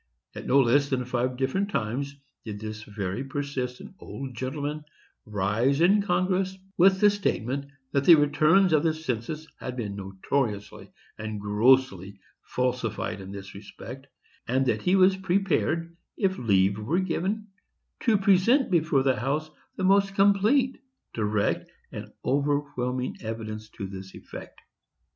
At no less than five different times did this very persistent old gentleman rise in Congress, with the statement that the returns of the census had been notoriously and grossly falsified in this respect; and that he was prepared, if leave were given, to present before the House the most complete, direct, and overwhelming evidence to this effect.